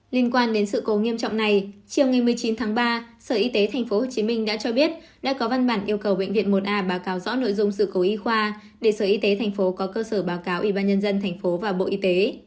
liên quan đến sự cố nghiêm trọng này chiều ngày một mươi chín tháng ba sở y tế tp hcm đã cho biết đã có văn bản yêu cầu bệnh viện một a báo cáo rõ nội dung sự cố y khoa để sở y tế tp có cơ sở báo cáo ủy ban nhân dân tp và bộ y tế